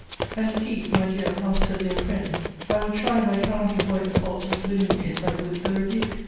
And indeed, my dear half severe friend, I will try if I cannot avoid the fault as willingly as I would the rebuke.